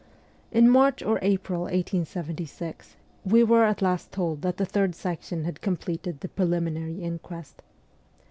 In March or April 1876, we were at last told that the Third Section had completed the preliminary inquest.